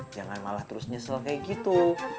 jangan malah terus nyesel kayak gitu